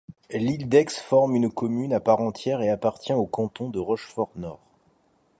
Île-d'Aix forme une commune à part entière et appartient au canton de Rochefort-Nord.